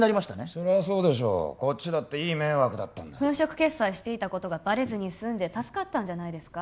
そりゃそうでしょうこっちだっていい迷惑だったんだ粉飾決算していたことがバレずに済んで助かったんじゃないですか？